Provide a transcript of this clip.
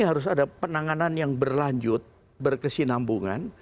harus ada penanganan yang berlanjut berkesinambungan